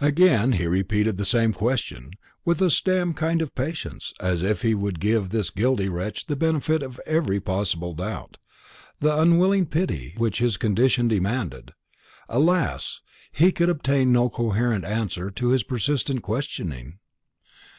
Again he repeated the same question, with a stern kind of patience, as if he would give this guilty wretch the benefit of every possible doubt, the unwilling pity which his condition demanded. Alas! he could obtain no coherent answer to his persistent questioning.